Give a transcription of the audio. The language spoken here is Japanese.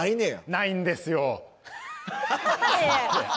ないんですよ。